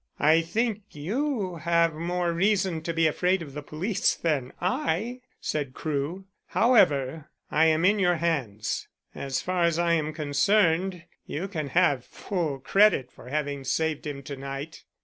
"I think you have more reason to be afraid of the police than I," said Crewe. "However, I am in your hands. As far as I am concerned, you can have full credit for having saved him to night."